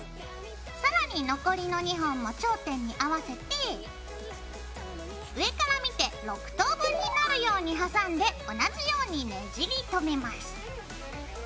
さらに残りの２本も頂点に合わせて上から見て６等分になるように挟んで同じようにねじりとめます。